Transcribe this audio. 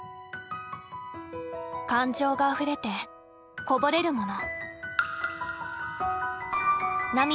感情があふれてこぼれるもの。